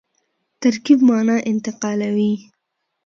ترکیب مانا انتقالوي.